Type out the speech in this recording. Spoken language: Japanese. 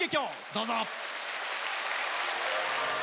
どうぞ。